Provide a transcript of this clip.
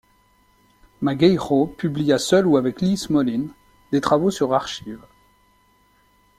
Magueijo publia, seul ou avec Lee Smolin, des travaux sur Arxiv.